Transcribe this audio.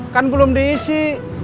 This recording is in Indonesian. yang belum diisi